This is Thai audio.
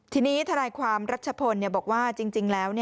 ทีนี้ทนายความรัชพลบอกว่าจริงแล้ว